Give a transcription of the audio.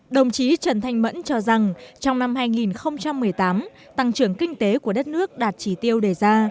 đồng chí trần thanh mẫn cho rằng trong năm hai nghìn một mươi tám tăng trưởng kinh tế của đất nước đạt chỉ tiêu đề ra